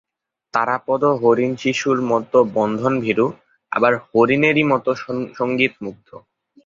তারাপদ হরিণশিশুর মতো বন্ধনভীরু, আবার হরিণেরই মতো সংগীতমুগ্ধ।